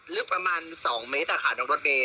ลึกประมาณ๒เมตรอะค่ะน้องรถเมย